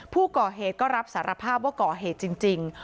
ผู้ก่อเหตุก็รับสารภาพว่าก่อเหตุจริง